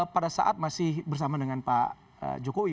pada saat masih bersama dengan pak jokowi